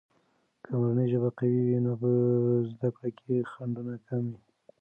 که مورنۍ ژبه قوية وي، نو په زده کړه کې خنډونه کم وي.